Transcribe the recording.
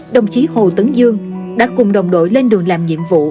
đồng chí hồ tấn dương đã cùng đồng đội lên đường làm nhiệm vụ